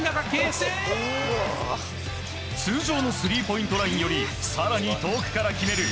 通常のスリーポイントラインより更に遠くから決める